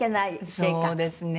そうですね。